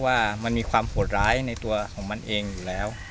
ว่ามันมีความโหดร้ายในตัวของมันเองอยู่แล้ว